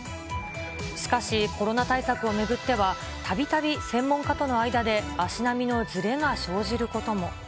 しかしコロナ対策を巡っては、たびたび専門家との間で足並みのずれが生じることも。